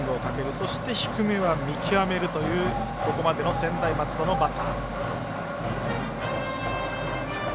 そして、低めは見極めるというここまでの専大松戸のバッター。